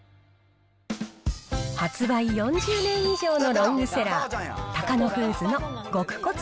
発売４０年以上のロングセラー、タカノフーズの極小粒